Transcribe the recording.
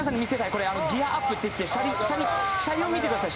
これギヤアップっていって車輪車輪を見てください。